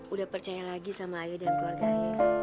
udah percaya lagi sama ayu dan keluarga ayu